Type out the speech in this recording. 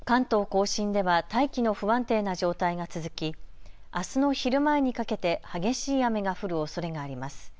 甲信では大気の不安定な状態が続きあすの昼前にかけて激しい雨が降るおそれがあります。